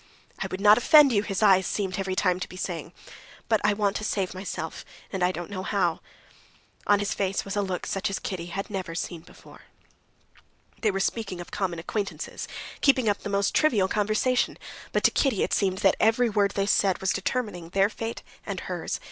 "I would not offend you," his eyes seemed every time to be saying, "but I want to save myself, and I don't know how." On his face was a look such as Kitty had never seen before. They were speaking of common acquaintances, keeping up the most trivial conversation, but to Kitty it seemed that every word they said was determining their fate and hers.